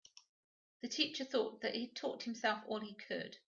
The teacher thought that he'd taught himself all he could.